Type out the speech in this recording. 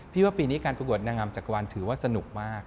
ว่าปีนี้การประกวดนางงามจักรวาลถือว่าสนุกมาก